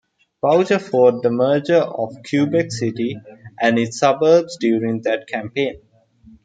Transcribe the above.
Boucher fought the merger of Quebec City and its suburbs during that campaign.